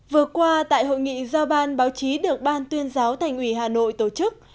vừa qua tại hội nghị do ban báo chí được ban tuyên giáo thành ủy hà nội tổ chức